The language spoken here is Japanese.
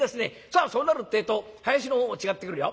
さあそうなるってえと囃子の方も違ってくるよ」。